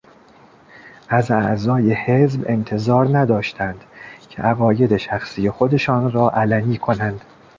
از اعضای حزبانتظار نداشتند که عقاید شخصی خودشان را علنی کنند.